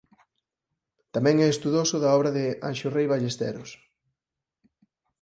Tamén é estudoso da obra de Anxo Rei Ballesteros.